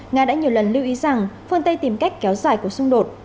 nga đã nhiều lần lưu ý rằng phương tây tìm cách kéo dài cuộc xung đột